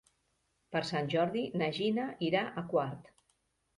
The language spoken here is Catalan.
Per Sant Jordi na Gina irà a Quart.